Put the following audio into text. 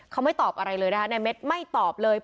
เขาไม่ตอบอะไรเลยนะคะนายเม็ดไม่ตอบเลย